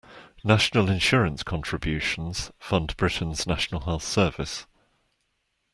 National Insurance contributions fund Britain’s National Health Service